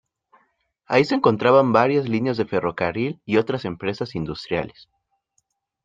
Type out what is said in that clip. Ahí se encontraban varias líneas de ferrocarril y otras empresas industriales.